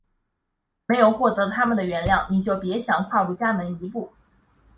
没有获得它们的原谅你就别想跨入家门一步！